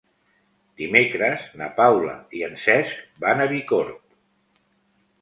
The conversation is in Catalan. Dimecres na Paula i en Cesc van a Bicorb.